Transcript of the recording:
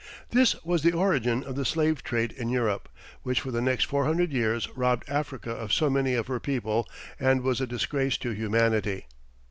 This was the origin of the slave trade in Europe, which for the next 400 years robbed Africa of so many of her people, and was a disgrace to humanity.